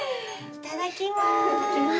いただきます。